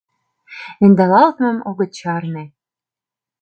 Ӧндалалтмым огыт чарне.